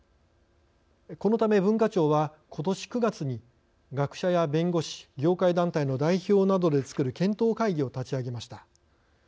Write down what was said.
このため文化庁はことし９月に学者や弁護士業界団体の代表などで作る検討会議を立ち上げました。